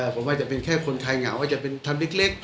ผมว่าจะเป็นแค่คนไทยเหงาอาจจะเป็นทำเล็ก